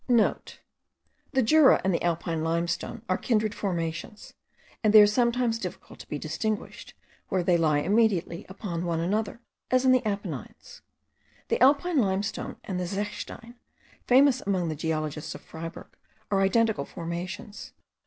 *(* The Jura and the Alpine limestone are kindred formations, and they are sometimes difficult to be distinguished, where they lie immediately one upon another, as in the Apennines. The alpine limestone and the zechstein, famous among the geologists of Freyberg, are identical formations.